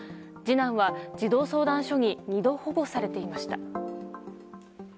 次男は児童相談所に２度、保護されていました。